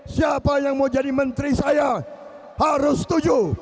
siapa yang mau jadi menteri saya harus setuju